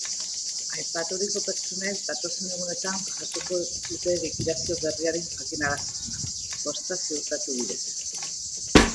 Aipaturiko pertsonek datozen egunetan jasoko dute likidazio berriaren jakinarazpena, posta ziurtatu bidez.